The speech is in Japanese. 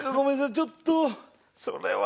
ちょっとそれは。